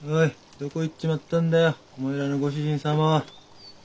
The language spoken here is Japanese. どこ行っちまったんだよお前らのご主人様は。